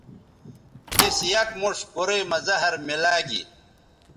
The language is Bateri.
تِس یک موݜ گورئ مہ زہر میلاگی